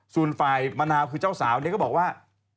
ส่วนฝ่ายมะนาวคือเจ้าสาวเนี่ยก็บอกว่า